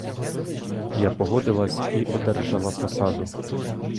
Я погодилась і одержала посаду.